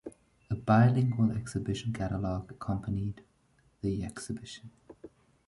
A bilingual exhibition catalogue accompanied the exhibition.